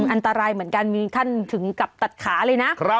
อันตรายเหมือนกันมีขั้นถึงกับตัดขาเลยนะ